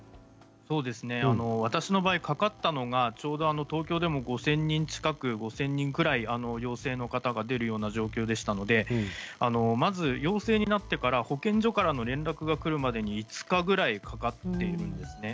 私の場合、かかったのがちょうど東京でも５０００人近く陽性の方が出るような状況でしたのでまず陽性になってから保健所からの連絡がくるまでに５日ぐらいかかっているんですね。